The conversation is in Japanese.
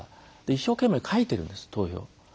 一生懸命、書いているんです投票を。